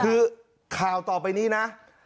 คือข่าวต่อไปนี้นะ